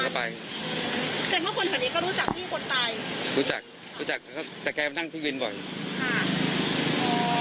แสดงว่าคนแถวนี้ก็รู้จักพี่คนตายรู้จักรู้จักแต่แกมานั่งพี่วินบ่อยค่ะ